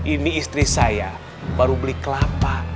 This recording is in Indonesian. ini istri saya baru beli kelapa